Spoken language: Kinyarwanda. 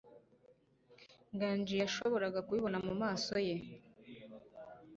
Nganji yashoboraga kubibona mumaso ye.